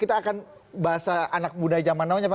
kita akan bahasa anak muda zaman awal